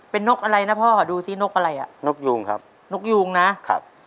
เป็นนกอะไรนะพ่อขอดูซินกอะไรอ่ะนกยูงครับนกยูงนะครับ